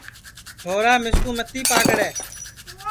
چھورا مِسکُو متی پاکڑے